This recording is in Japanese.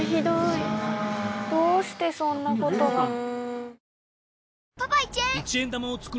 どうしてそんなことが。